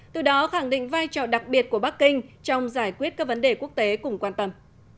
từ đó khẳng định vai trò đặc biệt của bắc kinh trong giải quyết các vấn đề quốc tế cùng quan tâm